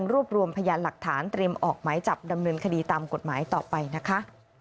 รวบรวมพยานหลักฐานเตรียมออกหมายจับดำเนินคดีตามกฎหมายต่อไปนะคะ